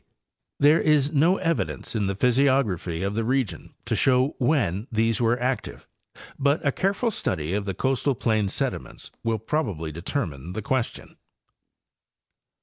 There is no evidence in the physiography of the region to show when these were active, but a careful study of the costal plain sediments will probably de termine the question.